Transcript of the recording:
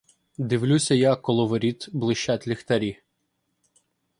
Дивлюся я, коло воріт блищать ліхтарі.